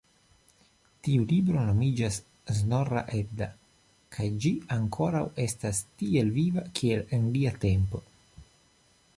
Tiu libro nomiĝas Snorra-Edda kaj ĝi ankoraŭ estas tiel viva, kiel en lia tempo.